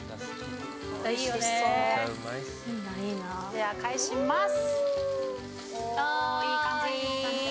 では、返します！